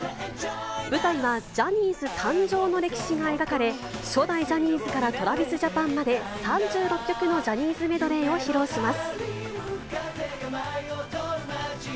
舞台はジャニーズ誕生の歴史が描かれ、初代ジャニーズからＴｒａｖｉｓＪａｐａｎまで、３６曲のジャニーズメドレーを披露します。